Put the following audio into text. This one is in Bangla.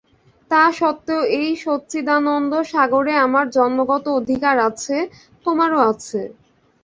তা সত্ত্বেও সেই সচ্চিদানন্দ-সাগরে আমার জন্মগত অধিকার আছে, তোমারও আছে।